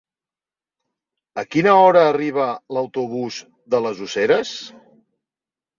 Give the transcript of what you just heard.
A quina hora arriba l'autobús de les Useres?